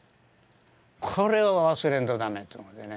これは忘れんと駄目やと思ってね。